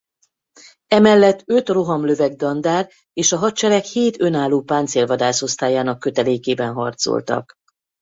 Emellett öt rohamlöveg dandár és a hadsereg hét önálló páncélvadász osztályának kötelékében harcoltak.